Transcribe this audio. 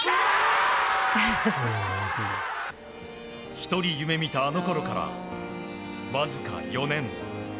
１人夢見たあのころからわずか４年。